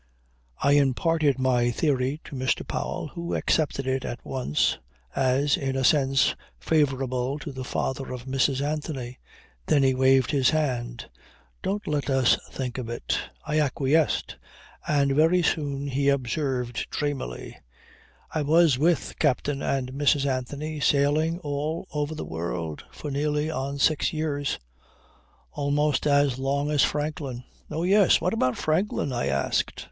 I imparted my theory to Mr. Powell who accepted it at once as, in a sense, favourable to the father of Mrs. Anthony. Then he waved his hand. "Don't let us think of it." I acquiesced and very soon he observed dreamily: "I was with Captain and Mrs. Anthony sailing all over the world for near on six years. Almost as long as Franklin." "Oh yes! What about Franklin?" I asked.